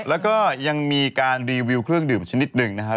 แล้วก็ยังมีการรีวิวเครื่องดื่มชนิดหนึ่งนะครับ